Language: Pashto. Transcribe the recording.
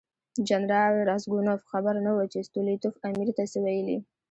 جنرال راسګونوف خبر نه و چې ستولیتوف امیر ته څه ویلي.